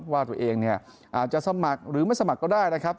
ว่าตัวเองเนี่ยอาจจะสมัครหรือไม่สมัครก็ได้นะครับ